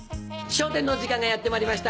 『笑点』の時間がやってまいりました。